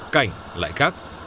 cảnh lại khác